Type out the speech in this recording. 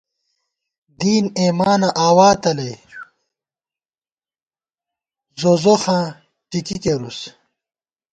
دین اېمانہ آوا تلَئ، زوزوخاں ٹِکی کېرُس